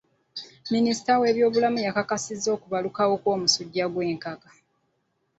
Minisita w'ebyobulamu yakakasizza okubalukawo kw'omusujja gw'enkaka.